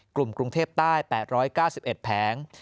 กลุ่มกรุงเทพใต้๘๙๑แผง